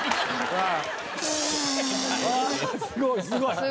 すごい！